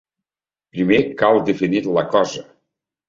Primer cal definir la cosa.